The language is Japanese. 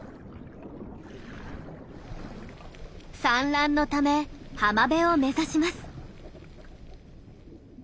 産卵のため浜辺を目指します。